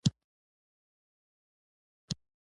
عثمان جان وویل: راځئ را ووځئ.